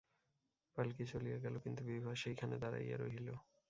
পালকি চলিয়া গেল, কিন্তু বিভা সেইখানে দাঁড়াইয়া রহিল।